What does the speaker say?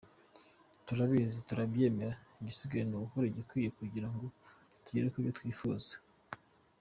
Turabizi, turabyemera, igisigaye ni ugukora igikwiye kugira ngo tugere ku byo twifuza.